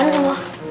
udah kan semua